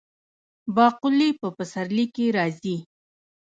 باقلي په پسرلي کې راځي.